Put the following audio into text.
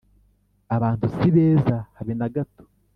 Abantu si beza habe nagato